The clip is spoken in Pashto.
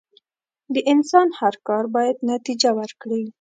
د انسان هر کار بايد نتیجه ورکړي.